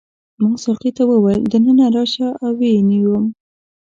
ما ساقي ته وویل دننه راشه او ویې نیوم.